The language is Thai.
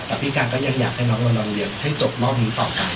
แต่พี่การก็ยังอยากให้น้องมานอนเลี้ยงให้จบรอบนี้ต่อไป